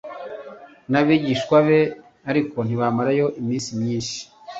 n abigishwa be ariko ntibamarayo iminsi myinshi